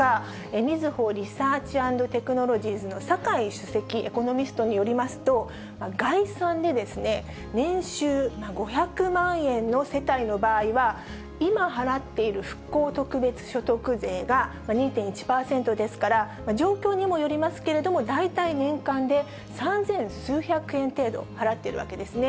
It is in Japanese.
みずほリサーチ＆テクノロジーズの酒井主席エコノミストによりますと、概算で年収５００万円の世帯の場合は、今払っている復興特別所得税が２．１％ですから、状況にもよりますけれども、大体年間で三千数百円程度払ってるわけですね。